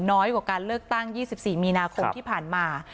น้อยกว่าการเลือกตั้ง๒๔มีนาคมที่ผ่านมา